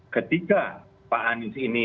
ketika pak anies ini